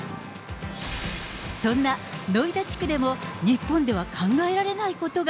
そんなノイダ地区でも、日本では考えられないことが。